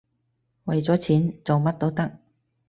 為咗錢，做乜都得